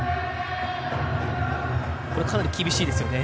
これはかなり厳しいですよね。